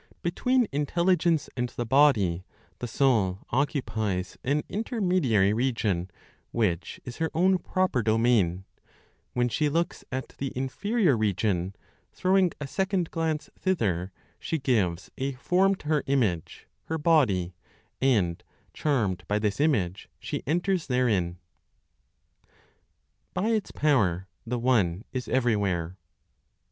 (Between intelligence and the body) the soul occupies an intermediary region, which is her own proper domain; when she looks at the inferior region, throwing a second glance thither, she gives a form to her image (her body); and, charmed by this image, she enters therein. BY ITS POWER, THE ONE IS EVERYWHERE.